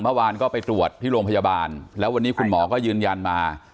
เมื่อวานก็ไปตรวจที่โรงพยาบาลแล้ววันนี้คุณหมอก็ยืนยันมา